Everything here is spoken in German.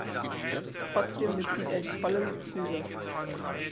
Trotzdem bezieht er die vollen Bezüge.